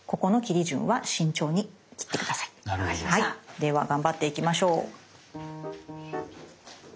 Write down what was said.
では頑張っていきましょう。